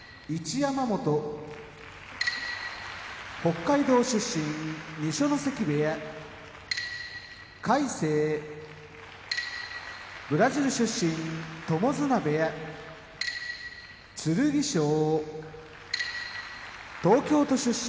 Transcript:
山本北海道出身二所ノ関部屋魁聖ブラジル出身友綱部屋剣翔東京都出身